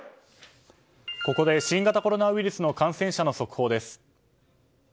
ここで新型コロナウイルスの感染者の速報です。